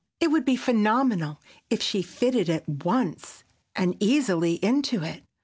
It would be phenomenal if she fitted at once and easily into it.